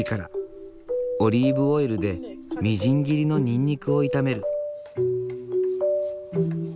オリーブオイルでみじん切りのにんにくを炒める。